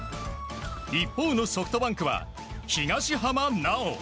一方のソフトバンクは東浜巨。